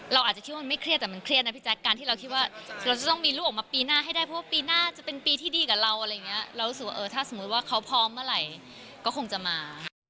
เราอาจจะคิดว่ามันไม่เครียดแต่มันเครียดนะพี่แจ๊คการที่เราคิดว่าเราจะต้องมีลูกออกมาปีหน้าให้ได้เพราะว่าปีหน้าจะเป็นปีที่ดีกับเราอะไรอย่างเงี้ยเรารู้สึกว่าเออถ้าสมมุติว่าเขาพร้อมเมื่อไหร่ก็คงจะมา